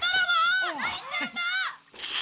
何してるんだ！